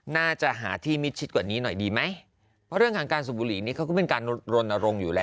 น่าจะหาที่มิดชิดกว่านี้หน่อยดีไหมเพราะเรื่องของการสูบบุหรี่นี้เขาก็เป็นการรณรงค์อยู่แล้ว